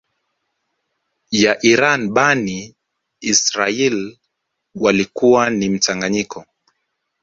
ya Iran Bani Israaiyl walikuwa ni mchanganyiko